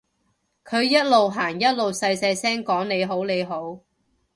佢一路行一路細細聲講你好你好